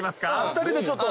２人でちょっと。